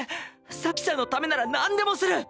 咲ちゃんのためなら何でもする！